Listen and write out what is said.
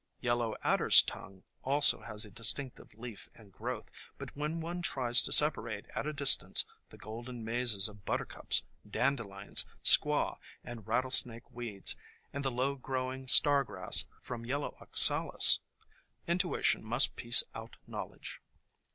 Yellow Adder's tongue also has a distinctive leaf and growth; but when one tries to separate at a distance the golden mazes of Buttercups, Dandelions, Squaw and Rattlesnake weeds, and the low growing Star Grass from Yel low Oxalis, intuition must piece out knowledge.